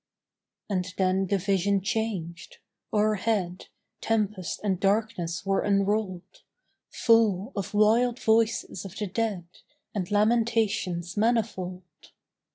And then the vision changed: O'erhead Tempest and darkness were unrolled, Full of wild voices of the dead, And lamentations manifold.